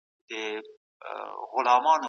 ایا کورني سوداګر پسته ساتي؟